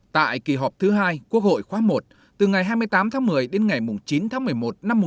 tại kỳ họp thứ hai quốc hội khoa một từ ngày hai mươi tám tháng một mươi đến ngày chín tháng một mươi một năm hai nghìn một mươi một